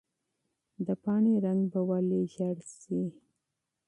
د پاڼې رنګ به ولې ژېړ شي؟